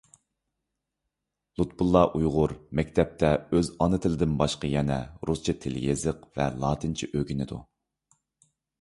لۇتپۇللا ئۇيغۇر مەكتەپتە ئۆز ئانا تىلىدىن باشقا يەنە رۇسچە تىل-يېزىق ۋە لاتىنچە ئۆگىنىدۇ.